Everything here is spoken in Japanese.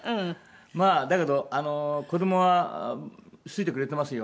まあだけど子どもは好いてくれてますよ。